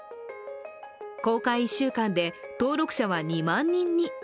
公開１週間で登録者は２万人に。